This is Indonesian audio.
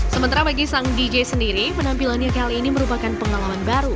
sementara bagi sang dj sendiri penampilannya kali ini merupakan pengalaman baru